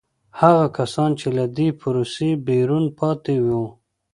هغه کسان چې له دې پروسې بیرون پاتې وو.